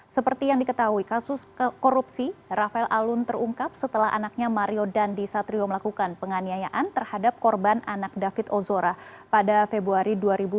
seperti yang diketahui kasus korupsi rafael alun terungkap setelah anaknya mario dandi satrio melakukan penganiayaan terhadap korban anak david ozora pada februari dua ribu dua puluh